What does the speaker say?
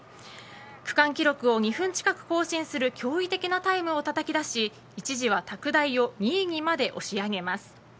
区間記録を２分近く更新する驚異的なタイムをたたき出し一時は拓大を２位にまで押し上げます。